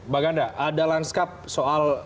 baganda ada lanskap soal